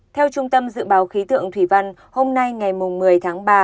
theo trung tâm dự báo khí tượng thủy văn hôm nay ngày một mươi tháng ba